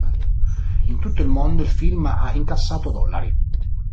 In tutto il mondo il film ha incassato dollari.